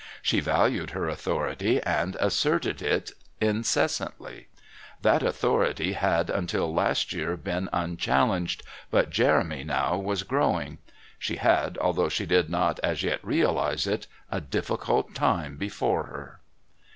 She valued her authority and asserted it incessantly. That authority had until last year been unchallenged, but Jeremy now was growing. She had, although she did not as yet realise it, a difficult time before her.